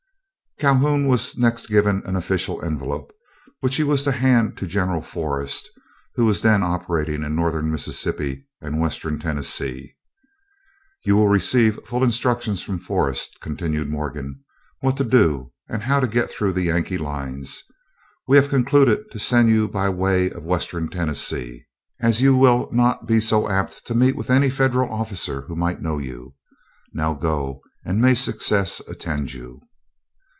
Calhoun was next given an official envelope, which he was to hand to General Forrest, who was then operating in Northern Mississippi and Western Tennessee. "You will receive full instructions from Forrest," continued Morgan, "what to do, and how to get through the Yankee lines. We have concluded to send you by the way of Western Tennessee, as you will not be so apt to meet with any Federal officer who might know you. Now go, and may success attend you."